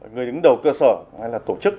người đứng đầu cơ sở hay là tổ chức